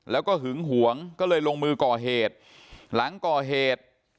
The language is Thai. แล้วก็หึงหวงก็เลยลงมือก่อเหตุหลังก่อเหตุ